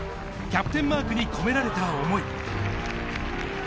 キャプテンマークに込められた想い。